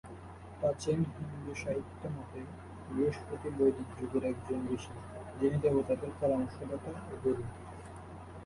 প্রাচীন হিন্দু সাহিত্য মতে বৃহস্পতি বৈদিক যুগের একজন ঋষি যিনি দেবতাদের পরামর্শদাতা ও গুরু।